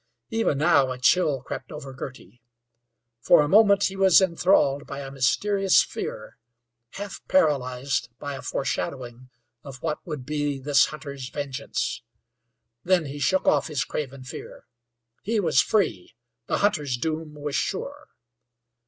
Even now a chill crept over Girty. For a moment he was enthralled by a mysterious fear, half paralyzed by a foreshadowing of what would be this hunter's vengeance. Then he shook off his craven fear. He was free; the hunter's doom was sure.